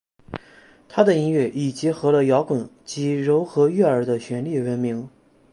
她的音乐以结合了摇滚及柔和悦耳的旋律闻名。